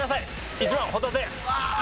１番ホタテ。